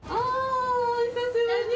久しぶり！